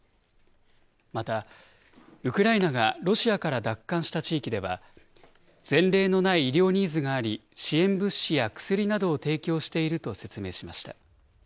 また、ウクライナがロシアから奪還した地域では、前例のない医療ニーズがあり、支援物資や薬などを提供していると説明しました。